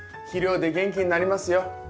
肥料で元気になりますよ。